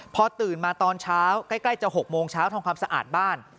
พอตื่นมาตอนเช้าใกล้จะ๖โมงเช้าทำความสะอาดบ้าน